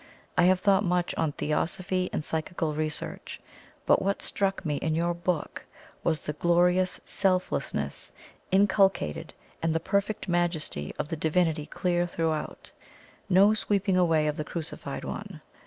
I have thought much on Theosophy and Psychical Research but what struck me in your book was the glorious selflessness inculcated and the perfect Majesty of the Divinity clear throughout no sweeping away of the Crucified One.